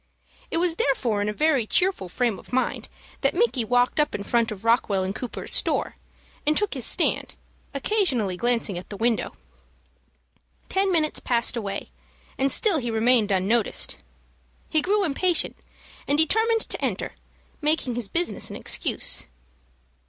It was therefore in a very cheerful frame of mind that Micky walked up in front of Rockwell & Cooper's store, and took his stand, occasionally glancing at the window. Ten minutes passed away, and still he remained unnoticed. He grew impatient, and determined to enter, making his business an excuse.